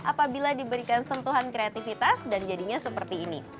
apabila diberikan sentuhan kreativitas dan jadinya seperti ini